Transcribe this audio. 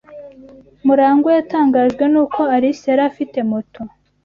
Murangwa yatangajwe nuko Alice yari afite moto.